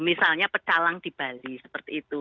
misalnya pecalang di bali seperti itu